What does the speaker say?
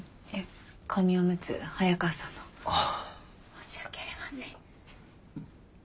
申し訳ありません。